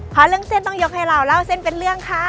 เพราะเรื่องเส้นต้องยกให้เราเล่าเส้นเป็นเรื่องค่ะ